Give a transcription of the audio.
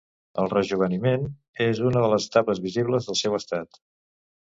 El rejoveniment és una de les etapes visibles del seu estat.